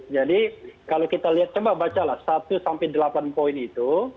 jadi kalau kita lihat coba bacalah satu sampai delapan poin itu